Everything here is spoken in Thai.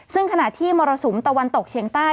ซึ่งขณะที่มรสุมตะวันตกเชียงใต้